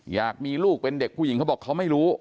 อยากมีลูกเป็นเด็กผู้หญิงเขาบอกเขาไม่รู้